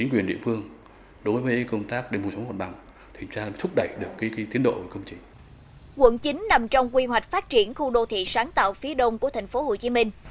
quận chín nằm trong quy hoạch phát triển khu đô thị sáng tạo phía đông của tp hcm